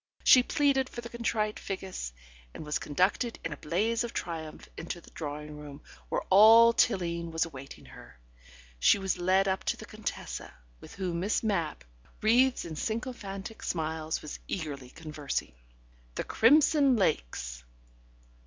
She pleaded for the contrite Figgis, and was conducted in a blaze of triumph into the drawing room, where all Tilling was awaiting her. She was led up to the Contessa, with whom Miss Mapp, wreathed in sycophantic smiles, was eagerly conversing. The crimson lakes